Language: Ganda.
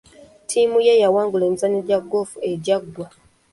Ttiimu ye yawangula emizannyo gya goofu egyaggwa.